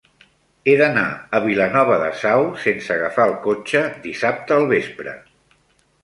He d'anar a Vilanova de Sau sense agafar el cotxe dissabte al vespre.